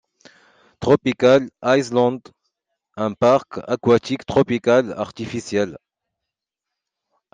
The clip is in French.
Tropical Island, un parc aquatique tropical artificiel.